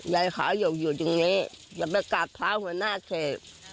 ยายขาวหยุดอยู่ตรงนี้จะไปกาบพร้าวหัวหน้าเผ็บ